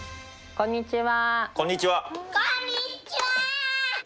こんにちは。